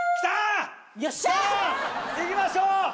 さあいきましょう。